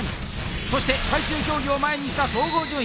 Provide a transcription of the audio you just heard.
そして最終競技を前にした総合順位。